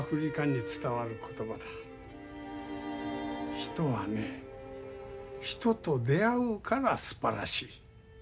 人はね人と出会うからすばらしい。